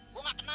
gue gak kenal